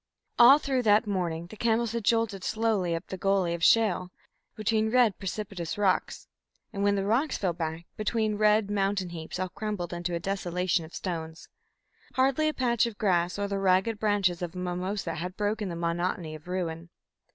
All through that morning the camels had jolted slowly up the gulley of shale between red precipitous rocks, and when the rocks fell back, between red mountain heaps all crumbled into a desolation of stones. Hardly a patch of grass or the ragged branches of a mimosa had broken the monotony of ruin.